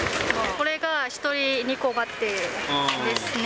これが１人２個までですね。